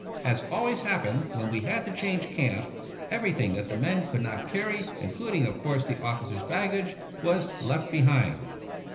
As always happened when we had to change camp, everything that the men could not carry, including, of course, the officers' baggage, was left behind.